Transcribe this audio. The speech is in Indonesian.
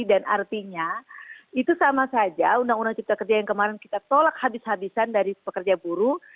dan artinya itu sama saja undang undang cipta kerja yang kemarin kita tolak habis habisan dari pekerja buruh